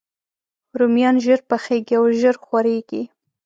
رومیان ژر پخیږي او ژر خورېږي